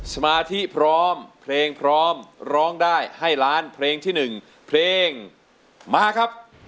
สมาธิพร้อมเพลงพร้อมร้องได้ให้ล้านเพลงที่๑เพลงมาครับ